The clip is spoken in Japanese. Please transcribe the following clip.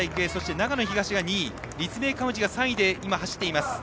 長野東が２位立命館宇治が３位で走っています。